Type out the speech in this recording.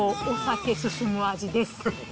お酒進む味です。